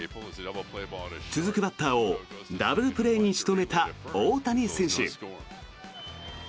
続くバッターをダブルプレーに仕留めた大谷選手。